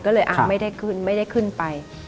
ก็เลยไม่ได้ขึ้นไม่ได้ขึ้นไป